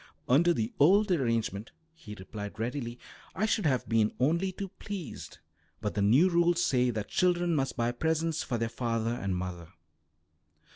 "Under the old arrangement," he replied readily, "I should have been only too pleased, but the new rules say that children must buy presents for their father and mother."